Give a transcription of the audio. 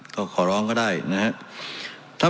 ก็ขอร้องก็ได้นะครับ